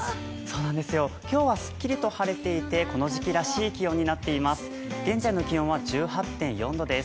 今日はすっきりと晴れていてこの時期らしい気温になっています。